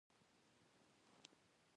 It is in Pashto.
د هغوی د نمو لپاره مناسب رطوبت ته اړتیا ده.